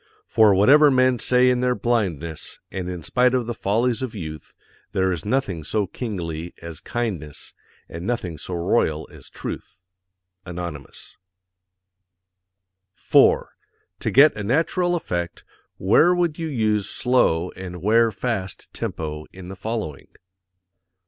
For whatever men say in their_ BLINDNESS, and in spite of the FOLLIES of YOUTH, there is nothing so KINGLY as KINDNESS, and nothing so ROYAL as TRUTH. Anonymous. 4. To get a natural effect, where would you use slow and where fast tempo in the following?